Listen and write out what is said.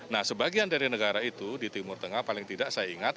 nah sebagian dari negara itu di timur tengah paling tidak saya ingat